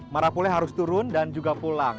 marapule harus turun dan juga pulang